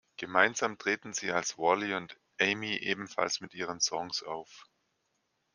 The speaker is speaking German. Gemeinsam treten sie als "Wally und Ami" ebenfalls mit ihren Songs auf.